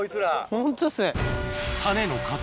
ホントっすね。